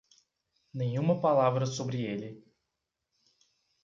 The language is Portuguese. Nenhuma palavra sobre ele.